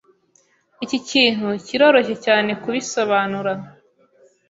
Iki kintu kiroroshye cyane kubisobanura.